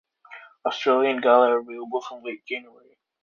Australian Gala are available from late January.